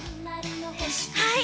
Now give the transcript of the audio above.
はい。